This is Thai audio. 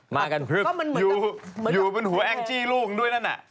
อ้อหรือเป็นหัวแอ้งจี้ลูกคูณด้วยนั่นน่ะ